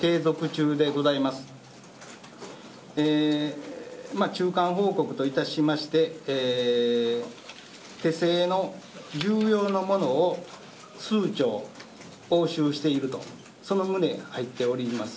中間報告といたしまして手製の銃様のものを数丁押収しているとその旨、入っております。